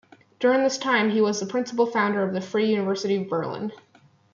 During this time, he was the principal founder of the Free University of Berlin.